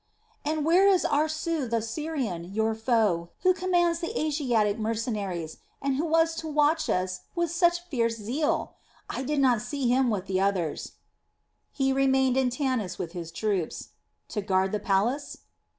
"And where is Aarsu, the Syrian, your foe, who commands the Asiatic mercenaries, and who was to watch us with such fierce zeal? I did not see him with the others." "He remained in Tanis with his troops." "To guard the palace?"